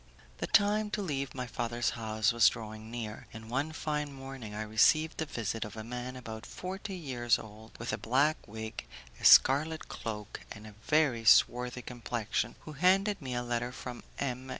The time to leave my father's house was drawing near, and one fine morning I received the visit of a man about forty years old, with a black wig, a scarlet cloak, and a very swarthy complexion, who handed me a letter from M.